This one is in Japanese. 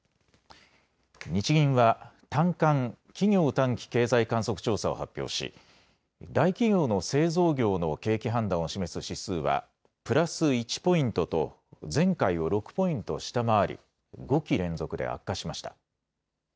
日銀は短観・企業短期経済観測調査を発表し大企業の製造業の景気判断を示す指数はプラス１ポイントと前回を６ポイント下回り５期連続で悪化しました。